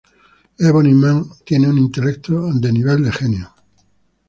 Ebony Maw tiene un intelecto a nivel de genio.